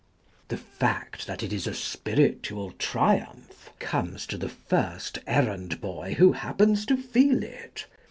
The fact that it is a spiritual triumph comes to the first errand boy who happens to feel it.